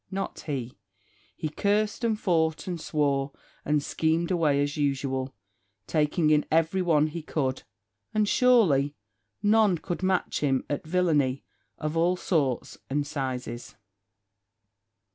Not he; he cursed, and fought, and swore, and schemed away as usual, taking in every one he could; and surely none could match him at villainy of all sorts, and sizes.